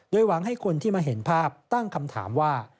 หวังให้คนที่มาเห็นภาพตั้งคำถามว่า